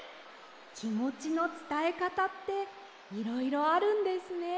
きもちのつたえかたっていろいろあるんですね。